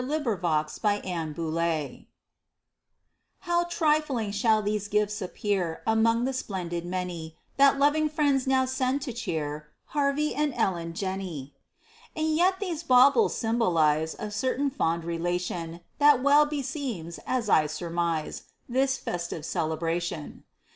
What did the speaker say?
WITH TWO SPOONS FOR TWO SPOONS How trifling shall these gifts appear Among the splendid many That loving friends now send to cheer Harvey and Ellen Jenney. And yet these baubles symbolize A certain fond relation That well beseems, as I surmise, This festive celebration.